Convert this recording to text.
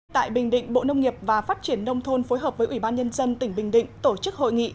tại bình định bộ nông nghiệp và phát triển nông thôn phối hợp với ủy ban nhân dân tỉnh bình định tổ chức hội nghị